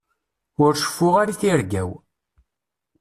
Ur ceffuɣ ara i tirga-w.